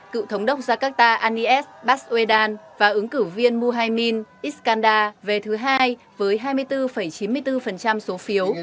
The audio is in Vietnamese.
cựu thống đốc jakarta anies baswedan và ứng cử viên muhaymin iskandar về thứ hai với hai mươi bốn chín mươi bốn số phiếu